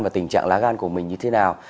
và tình trạng lá gan của mình như thế nào